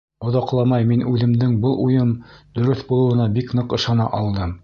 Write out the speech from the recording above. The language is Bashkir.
Оҙаҡламай мин үҙемдең был уйым дөрөҫ булыуына бик ныҡ ышана алдым.